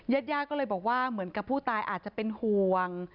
ญาติย่าก็เลยบอกว่าเหมือนกับผู้ตายอาจจะเป็นห่วง